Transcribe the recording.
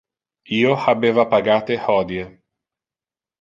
Io habeva pagate hodie.